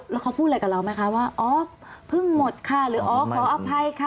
แล้วเขาพูดอะไรกับเราไหมคะว่าอ๋อเพิ่งหมดค่ะหรืออ๋อขออภัยค่ะ